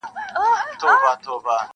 نن یاغي یم له زندانه ځنځیرونه ښخومه-